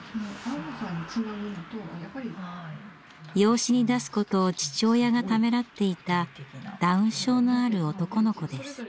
養子に出すことを父親がためらっていたダウン症のある男の子です。